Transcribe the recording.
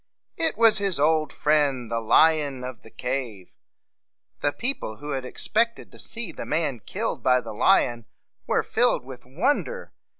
It was his old friend, the lion of the cave. The people, who had ex pect ed to see the man killed by the lion, were filled with wonder.